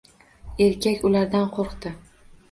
Erkak ulardan qo‘rqdi.